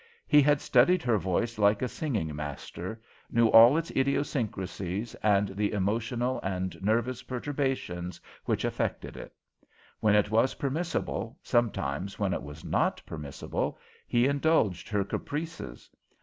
He had studied her voice like a singing master; knew all of its idiosyncracies and the emotional and nervous perturbations which affected it. When it was permissible, sometimes when it was not permissible, he indulged her caprices.